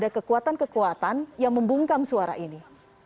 ada kekuatan kekuatan yang membungkam suara ini